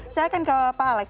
saya akan ke pak alex